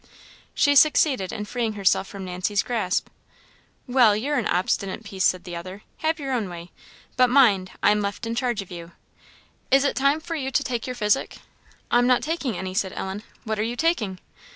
She succeeded in freeing herself from Nancy's grasp. "Well, you're an obstinate piece," said the other; "have your own way. But mind, I'm left in charge of you; is it time for you to take your physic?" "I am not taking any," said Ellen. "What are you taking?"